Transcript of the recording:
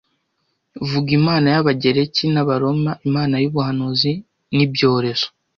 Vuga Imana y'Abagereki n'Abaroma Imana y'ubuhanuzi n'ibyorezo